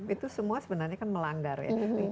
itu semua sebenarnya kan melanggar ya